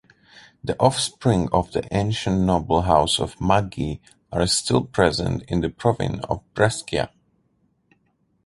The offspring of the ancient noble house of Maggi are still present in the province of Brescia.